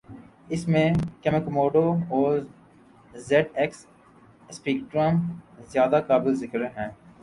ان میں کمکموڈو اور زیڈ ایکس اسپیکٹرم زیادہ قابل ذکر ہیں